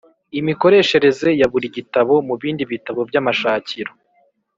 Imikoreshereze ya buri gitabo mu bindi bitabo by'amashakiro